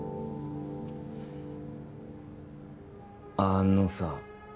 あのさ